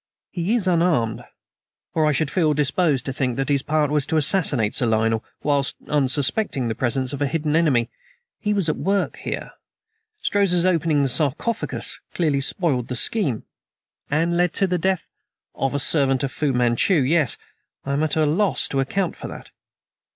He is unarmed, or I should feel disposed to think that his part was to assassinate Sir Lionel whilst, unsuspecting the presence of a hidden enemy, he was at work here. Strozza's opening the sarcophagus clearly spoiled the scheme." "And led to the death " "Of a servant of Fu Manchu. Yes. I am at a loss to account for that."